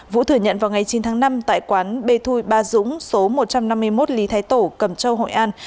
vũ thừa nhận vào ngày chín tháng năm tại quán b thui ba dũng số một trăm năm mươi một lý thái tổ cầm châu hội an